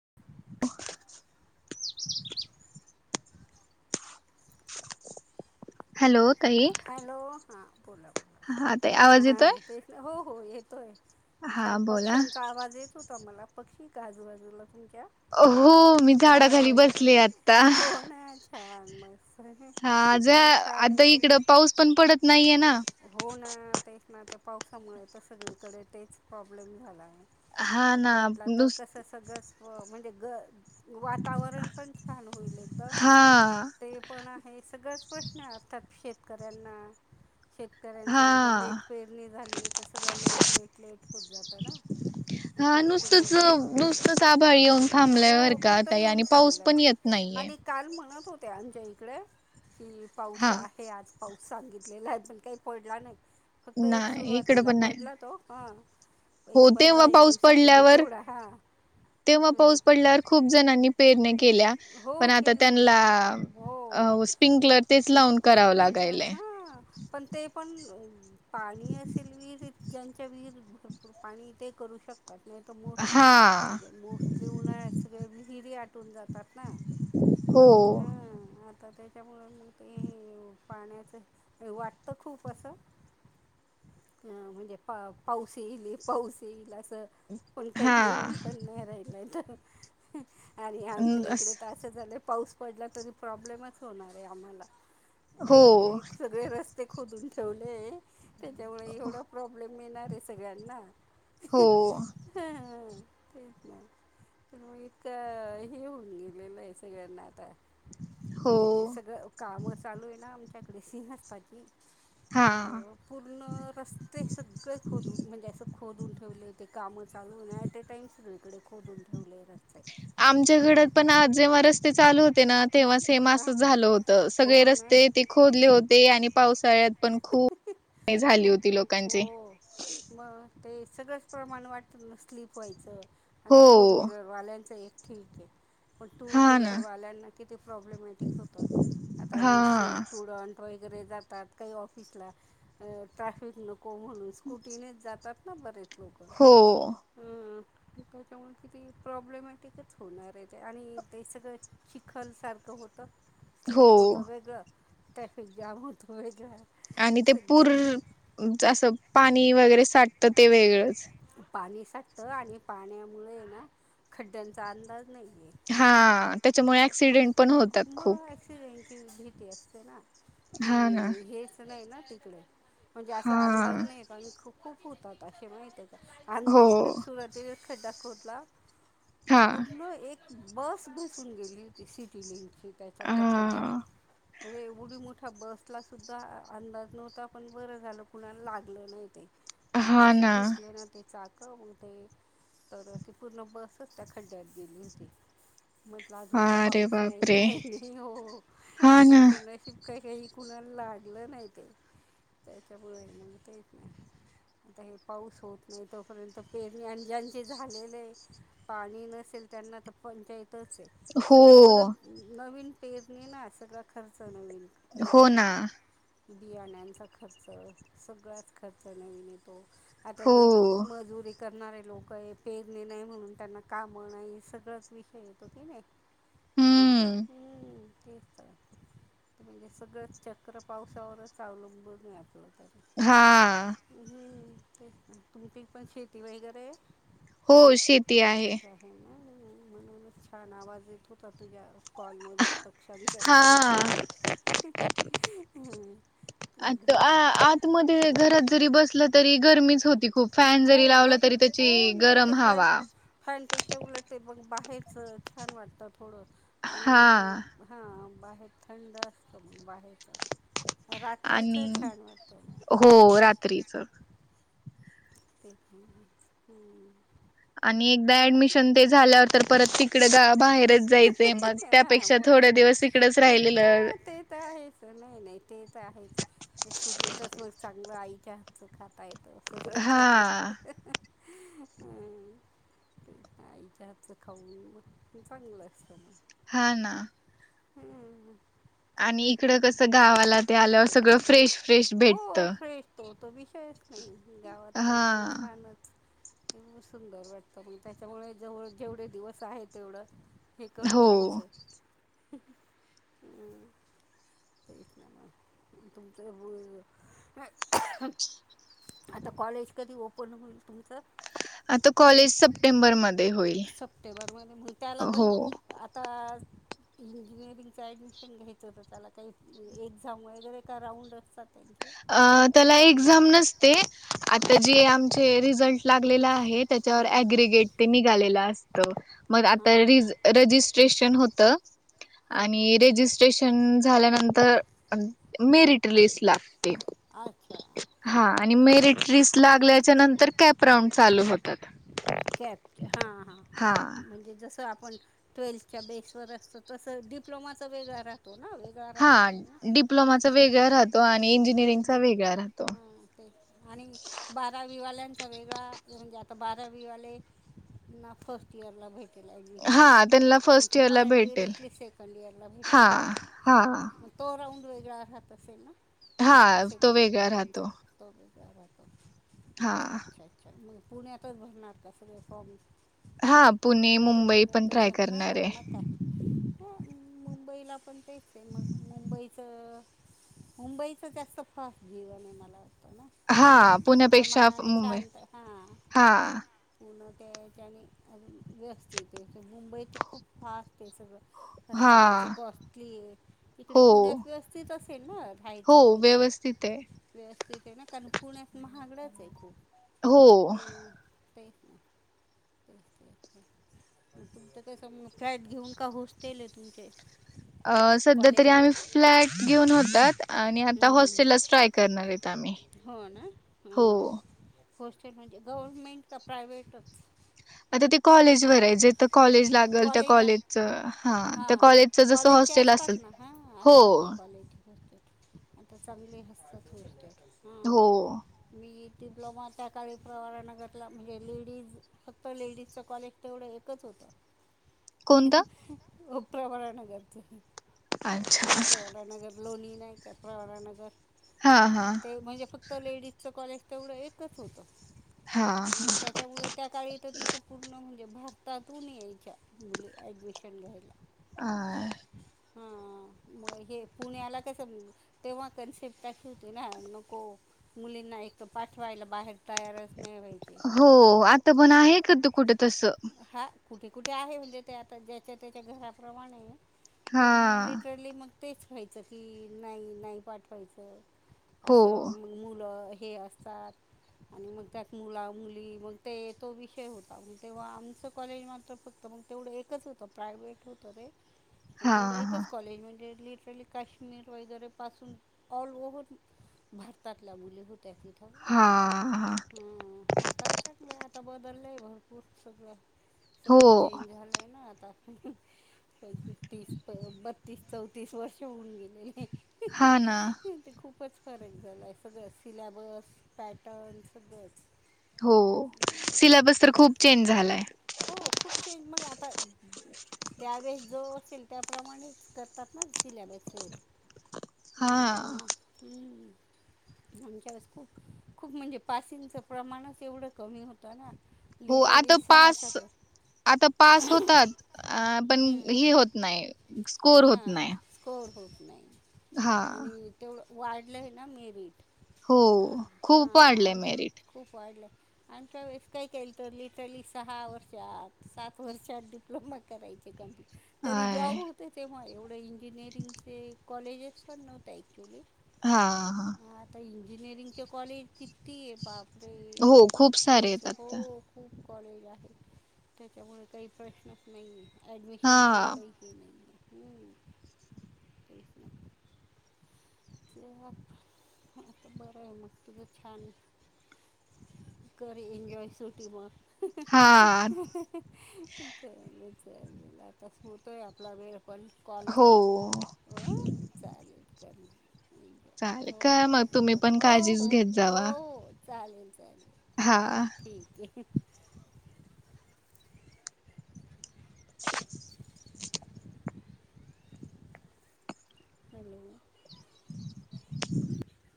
[inaudible] Hello ताई hello हां बोला हा ताई बोला आवाज येतोय हां हो हो येतोय. हा छान बोला पक्ष्यांचा आवाज येत होता मला, पक्षी का आजूबाजूला? तुमच्या हो मी झाड झाडाखाली बसले आता. हां मस हां ज आता इकड पाऊस पण पडत नाहीये ना. हो ना तेच ना त्या पावसामुळे तर सगळीकडे तेच प्रॉब्लेम झाला आहे. हां तो ना पडला तर कसं नुसत सगळंच म्हणजे ग वातावरण पण छान होईल एकदम. हा ते पण आहे सगळाच प्रश्न आहे अर्थात शेतकऱ्यांना, शेतकऱ्यांचं हा एवढं लेट पेरणी झाली तर सगळं लेट लेट लेट होत जातं ना. हां ॲक्च्युली पूर्ण नुसतंच ब- नुसतंच आभाळ येऊन थांबलय हो बरं का फक्त ताई येऊन आणि पाऊस थांबलं आहे पण येत नाही. आणि काल म्हणत होते आमच्या इकडे की पाऊस हा आहे आज पाऊस सांगितलेला आहे पण काही पडला नाही. फक्त एक नाही इकडं सुरुवातीला पण नाही पडला तो हां एक हो पंधरा तेव्हा एक पाऊस दिवसापूर्वी पडल्यावर तेवढा हां. तेव्हा हां पाऊस पडल्यावर खूप जणांनी पेरण्या केल्या हो पण आता केलं त्यांनला हो स्प्रिंकलर तेच लावून करावं स्प्रिंकलर लागायलय. हां पण ते पण पाणी असेल विहिरीत ज्यांच्या विहिरीत भरपूर पाणी ते करू शकतात. नाही तर मोस्ट हा म्हणजे मोस्टली उन्हाळ्यात विहारी आटून जात पट नाही हो आता त्याच्यामुळे म ते पाण्याचं वाटतं खूप असं हं म्हणजे पा पाऊस येईल पाऊस येईल असं पण हा काही येऊन पण नाही राहिलाय तर आणि आमच्या अं, इकडे अस- तर असं झालंय पाऊस पडला तरी प्रॉब्लेमच होणार आहे आम्हाला हो ऍक्चुली सगळे रस्ते खोदून ठेवले त्याच्यामुळे एवढा प्रॉब्लेम मिळणारे सगळ्यांना हो तेच नाही तर मग इतकं हे होऊन गेलेलं आहे सगळ्यांना आता हो ते सगळं काम चालू आहे ना आमच्याकडे सीनसपाची हा तर पूर्ण रस्ते सगळे खोदून म्हणजे असं खोदून ठेवले ते काम चालू ऍट ए टाम सुरू इकडे खोदून ठेवले रस्ते आमच्या घडात तर पण आज जेव्हा रस्ते चालू होते ना तेव्हा तेव्हा हां असच झालं होत सगळे हो ना रस्ते ते खोदले होते आणि पावसाळ्यात पण खूप झाली खूप होती लोकांची हो मग ते सगळंच प्रमाण वाटतं स्लीप व्हायचं हो आता फोर व्हीलरवाल्यांचं एक ठीक आहे पण टू हा ना व्हीलरवाल्यांना तिथे प्रॉब्लेमॅटिक होतं आता हा हे स्टुडंट व एक वगैरे जातात काही ऑफिसला ट्रॅफिक नको म्हणून स्कूटीनेच जातात बरेच लोक हो त्याच्यामुळे किती प्रॉब्लेमॅटिकच होणार आहे ते आणि ते सगळं चिखल सारखं होत हो स्लीप होतं वेगळं ट्रॅफिक जाॅम होतं वेगळं आणि ते पूर असं पाणी वगैरे साटतं ते वेगळंच पाणी साठतं आणि पाण्यामुळे ना खड्ड्यांचा अंदाज नाही आहे हा त्याच्यामुळे ऍक्सिडेंट पण होतात मग खूप ॲक्सिडेंटची भीती असते ना की हा ना हेच नाही ना तिकडे म्हणजे असा हा अंदाज नाही कार खूप खूप होतात असे माहित आमच्या हो इकडे सुरात खड्डा खोतला हा पूर्ण एक बस बसून गेली होती सिटी लची त्याच्या त्या खड्ड्यात हा म्हणजे एवढी मोठ्या बसलासुद्धा अंदाज नव्हता पण बरं झालं कुणाला लागलं नाही ते मग ते हा असं ना घुसले ना ते चाक होते तर ती पूर्ण बसच त्या खड्ड्यात गेली होती म्हटलं हा अजून तर अरे पाऊस नाही बापरे काही नाही हो हा पण ना त्यांनाही काही काही कुणा लागलं नाही ते त्याच्यामुळे म तेच नाही आता हे पाऊस होत नाही तोपर्यंत पेरणी आणि ज्यांची झालेली आहे पाणी नसेल त्यांना तर पंचायतच आहे हो सगळ परत नवीन पेरणी ना सगळा खर्च नवीन हो येतो ना मग बियाण्यांचा खर्च सगळ्याचा खर्च नवीन येतो आता हो जे मजुर करणारे लोक आहे पेरणी नाही म्हणून त्यांना काम नाही सगळंच विषय येतो कि नाही हम्म हम्म तेस म्हणजे सगळं चक्र पावसावरच अवलंबून हा हम् तेच ना तुमची पण शेती वगैरे हो शेती आहे म्हणूनच छान आवाज येत होता तुझ्या कॉलमल पक्ष्यांचा हा एकदम छान होता घर आ आतमध्ये घरात जरी बसलं तरी गरमीच होती खूप फॅन जरी हो लावला गं तरी त्याची गरम हवा पेक्षा उलटते मग बाहेरचं छान वाटतं थोडं आणि हा मग हां बाहेर थोडस बाहेर रात्रीच आणि छान वाटतं हो हम्म रात्रीच ते ह आणि एकदा ऍडमिशन ते झाल्यावर तर परत तिकड कोण बाहेरच जायचंय मग हां त्यापेक्षा थोड बोलतात दिवस हिकडंच थोडं राहिलेलं हां ते आहेच नाही नाही तेच आहे ते तर आहेच सुटीतच मग चांगलं आई त्यांचं खाता येत अस ान हा ह खाऊन मग चांगलं असत हा ना हम्मम आणि इकडं कसं गावाला ते आल्यावर सगळं फ्रेश फ्रेश भेटत हो फ्रेश तो तो विषयच नाही गावात तर एकदम हा छानच तेवढ सुंदर वाटतं म ग त्याच्यामुळे जेव जेवढे दिवस आहे तेवढं हे हो करून घ्यायचं तेच नाही तुमचं आता कॉलेज कधी ओपन होईल तुमचं आता कॉलेज सप्टेंबरमध्ये होईल सप्टेंबरमध्ये हो इंजिनिअरिंगच ऍडमिशन घ्यायचं होत त्याला काही एक्झाम वगैरे का राऊंड त्यांचे आ त्याला फॉर्मवर एक्झाम नसते आता हां जे आमचे रिझल्ट लागलेले आहेत त्याचे हां त्याच्यावर हां अग्रिगेट ते निघालेलं असत मग हां आता हां रजिस्ट्रेशन होत हां आणि रेजिस्ट्रेशन झाल्यानंतर मेरिट लिस्ट ला अच्छा आणि मेरिट रिस् लागल्याच्या नंतर कॅप राऊंड चालू होतात कॅप हा हा म्हणजे तं आपण ट्वेल्थच्या बेसवर असतो तसं डिप्लोमाचा वेगळा राहतो ना वेगळा हा राहत असेल ना डिप्लोमाचा वेगळा राहतो आणि इंजिनिअरिंग चा वेगळ राहतो हा ते आणि बारा विवाल्यांचा वेगळाऊन जात तर बारवीवाले ना फर्स्ट इयर लाभेत ऍडमिशन हा त्यांना आणि फर्स्ट इयर ला तुम्हाला भेटेल डिरेक्टली सेकंड इयरला भेटेल हा ना हा तो राऊंड वेगळा राहत असेल ना हा तो वेगळा राहतो त्याबत हा पुण्यातच भरणार का सगळे फॉर्म हा पुणे ते मुंबई पण पुण्यातच ट्राय करणार हां मग आहे काय हां मुंबईला पण तेचते मग मुंबईचं मुंबईच जास्त फस्ट जीवन आहे मला ना हा पुण्याच्या पुण्यापेक्षा फ- मानाने मुंबई शांत हां हा पून त्याच्याने अज व्यस्त ते क मुंबई तर खूप फास्ट आहे सगळं हा राहण्याच कॉस्टली इकडे हो पुण्यात व्यवस्थित असेल म हो राहायचं वगैरे व्यवस्थित आहे व्यवस्थित आहे ना कारण पुण्यात महागडच आहे तू हो तेे ना त क फ्लॅट घेऊन का होस्टेल आहे तुमचे सध्या तरी कॉलेजचे आम्ही फ्लॅट घेऊन होतात आणि आता हं, हं, हं. हॉस्टेललाच ट्राय करणार आहेत आम्ही हो ना हो हां हॉस्टेल म्हणजे गव्हर्नमेंट तर प्रायव्हेटच आता ते कॉलेज वयच जेट कॉलेज लागल त्या कॉलेजला कॉलेजच हा हां त्या हां हां कॉलेजच जसं हॉस्टेल असेल हो क्वालिटीते आता चांगले हसतच मिळते हो डिप्लोमा त्या काळी प्रवारानं घरला म्हणजे लेडीज फक्त लेडीजचं कॉलेज तेवढं एकच होतं कोणतं उपरपरा न कररच अच्छा लोणी नाहीक प्रवारा नगर हा हा ते म्हणजे फक्त तर लेडीजचं कॉलेज तेवढं एकच होतं हा त्याच्यामुळे त्या काळी तर तिसं पूर्ण म्हणजे भारतातून यायची च्या मुली ॲडमिशन घ्यायला आ हा म हे पुण्याला कसं तेव्हा कन्सेप्टावते ना नको मुलींना पाठवायला बाहेर तयारच नाही व्हायचे हो आता पण आहे का तू कुठं तस हा कुठे कुठे आहे म्हणजे ते आता ज्याच्या त्याच्या घराप्रमाणे हा पण लिटरली मग तेच व्हायचं की नाही नाही पाठवायचं हो असं मुलं हे असतात आणि मग त्यात मुला मुली मग ते तो विषय होता म तेव्हा आमचं कॉलेज मात्र फक्त मग तेवढं एकच होतं प्रायव्हेट होतं रे हा तेवढं हा एकच कॉलेज म्हणजे लिटरली काश्मीर वगैरेपासून ऑल ओ्हर भारतातल्या मुली होत टॅक्सी थब हा हा आता आता बदलले आहे भरपूर सगळं हो सगळं चेंज झालंय ना आता तीस बत्तीस चौतीस वर्ष होऊन गेले हा ना फॉर एक्झा आहे सगळं सिलेॅबस पॅटर्न सगळंच हो सिलेब तर ते खूप चें झा हो खूप चेंज मग आता त्यावेेळेस जो पिल त्याप्रमाणेच करतात ना सिलेबस आहेत हा आमच्या खूप खूप म्हणजे पासिंगच प्रमाणच एवढं कमी होतं ना हो लिटरली आता सहा पास सत् आता पास होतात पण हम्म, ही होत नाही स्कोर हा होत नाही स्कोअर होत नाही हा आणि तेवढं वाढलं आहे ना मेरिट हो हां खूप वाढलंय आम मेरिट खूप वाढलं आमच्या वेळेस काय केल तर लि लि सहा वर्षात सात वर्षात डिप्लोमा करायचे कमप् तरी आय जॉब होते तेव्हा एवढं इंजिनिअरिंगचे कॉलेजेस पण नव्हते ऍक्च्युली हा हा हा इंजिनिअरिंगचे कॉलेज तिितती आहे बापरे हो इ खूप सारे तेच आहेत ख आता खूप कॉलेज त्याच्यामुळे काही प्रश्नच नाही आहेे ऍडमिशनचाही हा काही हे नाहीे हम्म तेच ना ते आता बरं आहे मग तुझं छान आहे कर एनजॉय सुटी म हा चाले चाले आताच होतोय आपला वेळ पण हो कलचा हो चालेल कर एन्जॉय चाले काय ओके मग तुम्ही ओके पण हो हो काळजीच हो घेत हो जावा चालेल चालेल हा ठीक आहे [inaudible] हॅलो [inaudible] [inaudible]